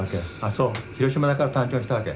そう広島だから短調にしたわけ？